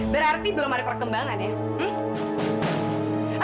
berarti belum ada perkembangan ya